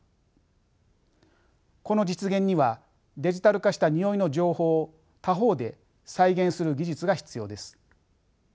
この実現にはデジタル化したにおいの情報を他方で再現する技術が必要です。